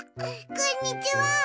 こんにちは！